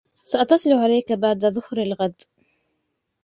سأتصل عليك بعد ظهر الغد.